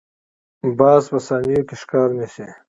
باز په ثانیو کې ښکار نیسي